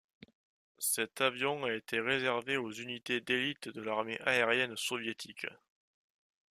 Cet avion a été réservé aux unités d'élite de l'armée aérienne soviétique.